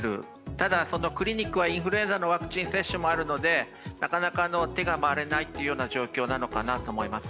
ただそのクリニックはインフルエンザのワクチン接種もあるので、なかなか手が回らないという状況だと思います